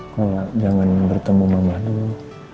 gue jangan bertemu mama dulu